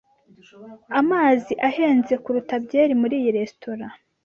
Amazi ahenze kuruta byeri muri iyi resitora.